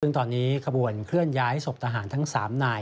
ซึ่งตอนนี้ขบวนเคลื่อนย้ายศพทหารทั้ง๓นาย